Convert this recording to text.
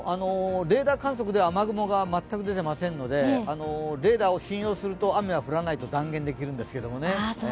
レーダー観測では雨雲が全く出ていませんのでレーダーを信用すると雨は降らないと断言できるんですけどね。